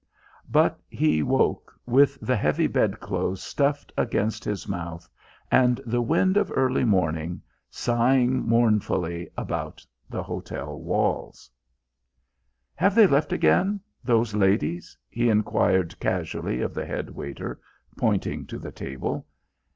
But he woke, with the heavy bed clothes stuffed against his mouth and the wind of early morning sighing mournfully about the hotel walls. "Have they left again those ladies?" he inquired casually of the head waiter, pointing to the table.